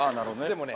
でもね。